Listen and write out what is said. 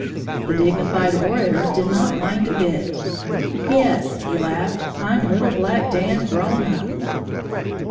The dignified orator did not mind a bit. "Yes," he laughed, "I'm little black Dan grown up!"